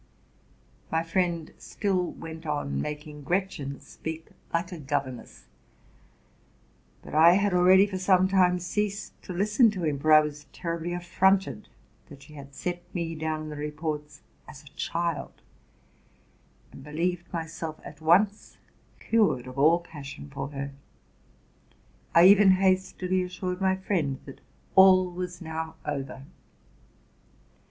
"' My friend still went on making Gretchen speak like a gov eruess; but I had already for some time ceased to listen to RELATING TO MY LIFE. 181 him, for I was terribly affronted that she had set me down in the reports as a child, and believed myself at once cured of all passion for her. I even hastily assured my friend that all was now over.